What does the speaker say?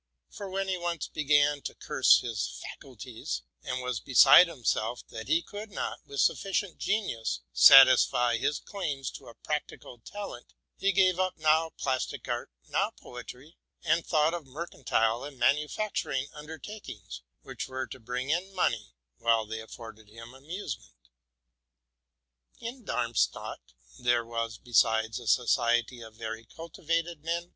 For when he once began to curse his faculties, and was beside himself that he could not, with suflicient gen ius, satisfy his claims to a practical talent, he gave up now plastic art, now poetry, and thought of mercantile and manu facturing undertakings, which were to bring in money while they afforded him amusement. In Darmstadt there was, besides, a society of very cultivated men.